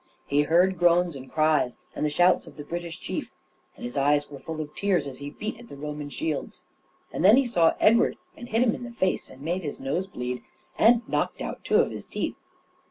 He heard groans and cries and the shouts of the British chief, and his eyes were full of tears as he beat at the Roman shields; and then he saw Edward and hit him in the face, and made his nose bleed, and knocked out two of his teeth.